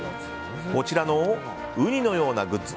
こちらのウニようなグッズ